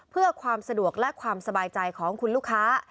เพื่อความสะดวกและความสบายใจของคุณลูกค้า